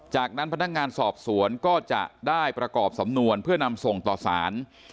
จากนั้นพนักงานสอบสวนก็จะได้ประกอบสำนวนเพื่อนำส่งต่อสาร